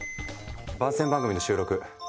番宣番組の収録。